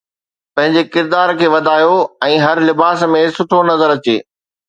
پنهنجي ڪردار کي وڌايو ۽ هر لباس ۾ سٺو نظر اچي